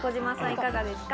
いかがですか？